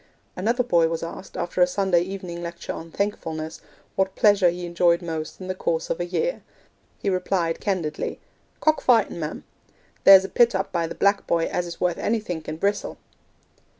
Another boy was asked, after a Sunday evening lecture on 'Thankfulness,' what pleasure he enjoyed most in the course of a year. He replied candidly, 'Cock fightin', ma'am; there's a pit up by the "Black Boy" as is worth anythink in Brissel.'